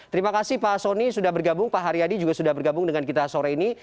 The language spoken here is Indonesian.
terima kasih pak soni sudah bergabung pak haryadi juga sudah bergabung dengan kita sore ini